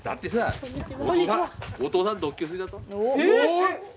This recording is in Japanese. えっ！？